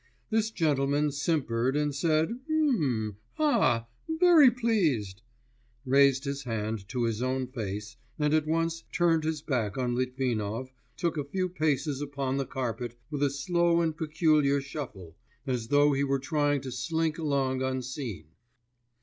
This gentleman simpered, and said, 'Mmm ... ah ... very pleased,...' raised his hand to his own face, and at once turning his back on Litvinov, took a few paces upon the carpet, with a slow and peculiar shuffle, as though he were trying to slink along unseen.